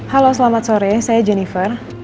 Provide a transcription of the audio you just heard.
halo selamat sore saya jennifer